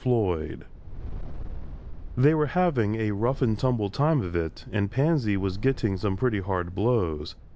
FLOYD They were having a rough and tumble time of it and Pansy was getting some pretty hard blows.